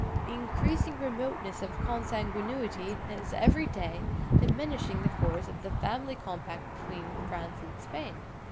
The increasing remoteness of consanguinity is every day diminishing the force of the family compact between France and Spain.